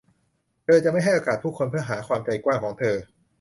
เธอจะไม่ให้โอกาสผู้คนเพื่อหาความใจกว้างของเธอ